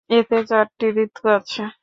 এতে চারটি ঋতু আছে।